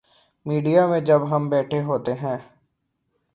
Media میں جب ہم بیٹھے ہوتے ہیں۔